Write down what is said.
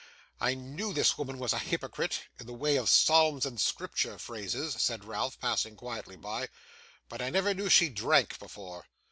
'I knew this woman was a hypocrite, in the way of psalms and Scripture phrases,' said Ralph, passing quietly by, 'but I never knew she drank before.